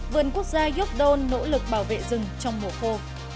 vườn quốc gia giúp đôn nỗ lực bảo vệ rừng trong mùa khô